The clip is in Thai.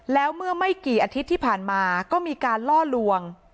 แล้วเมื่อไม่กี่อาทิตย์ที่ผ่านมาก็มีการล่อลวง